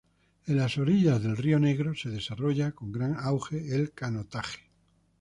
En las orillas del río Negro se desarrolla con gran auge el canotaje.